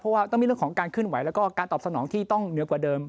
เพราะว่าต้องมีเรื่องของการเคลื่อนไหวแล้วก็การตอบสนองที่ต้องเหนือกว่าเดิม